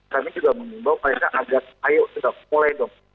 kami juga menimbang mereka agak ayo sudah mulai dong